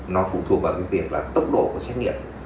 nó phụ thuộc vào cái việc là tốc độ của xét nghiệm